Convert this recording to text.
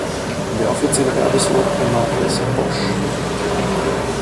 Der offizielle Werbeslogan der Marke ist "Bosch.